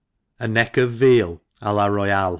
ji Neck of Veal a la royal.